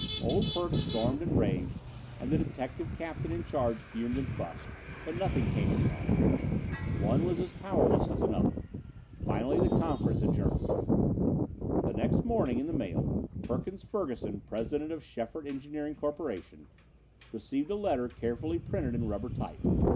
"Old Perk" stormed and raged and the detective captain in charge fumed and fussed, but nothing came of it all. One was as powerless as another. Finally the conference adjourned. The next morning in the mail, Perkins Ferguson, president of Schefert Engineering Corporation, received a letter carefully printed in rubber type.